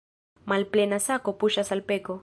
Malplena sako puŝas al peko.